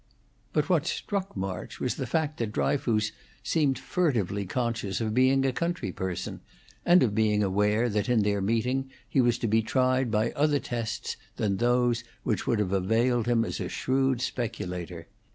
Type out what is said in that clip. But what struck March was the fact that Dryfoos seemed furtively conscious of being a country person, and of being aware that in their meeting he was to be tried by other tests than those which would have availed him as a shrewd speculator.